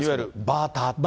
バーター。